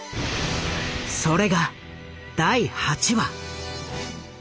それが第８話。